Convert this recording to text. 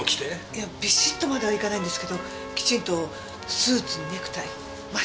いやビシッとまではいかないんですけどきちんとスーツにネクタイ真っ白いワイシャツで。